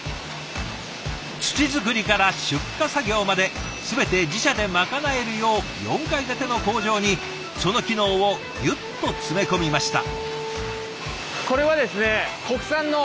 土作りから出荷作業まで全て自社でまかなえるよう４階建ての工場にその機能をギュッと詰め込みました。